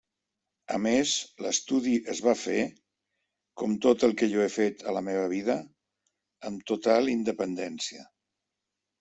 A més, l'estudi es va fer, com tot el que jo he fet a la meva vida, amb total independència.